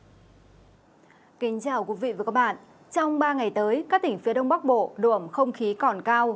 xin kính chào quý vị và các bạn trong ba ngày tới các tỉnh phía đông bắc bộ đuộm không khí còn cao